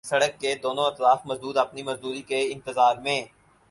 سڑک کے دونوں اطراف مزدور اپنی مزدوری کے انتظار میں